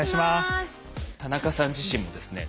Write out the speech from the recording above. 田中さん自身もですね